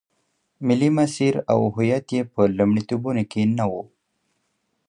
ملي مسیر او هویت یې په لومړیتوبونو کې نه و.